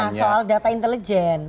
ya poinnya ini mas soal data intelijen